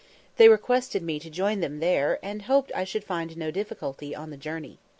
They requested me to join them there, and hoped I should find no difficulty on the journey!